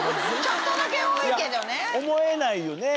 思えないよね？